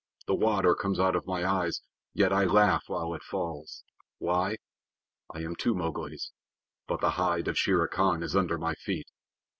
The water comes out of my eyes; yet I laugh while it falls. Why? I am two Mowglis, but the hide of Shere Khan is under my feet.